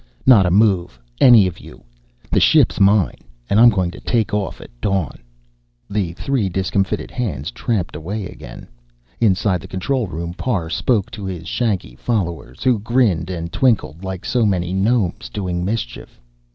Not a move, any of you! The ship's mine, and I'm going to take off at dawn." The three discomfited hands tramped away again. Inside the control room, Parr spoke to his shaggy followers, who grinned and twinkled like so many gnomes doing mischief.